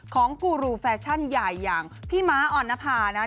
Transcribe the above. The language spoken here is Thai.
กูรูแฟชั่นใหญ่อย่างพี่ม้าอ่อนนภานะ